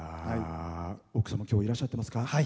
奥さんも、きょういらっしゃってますか？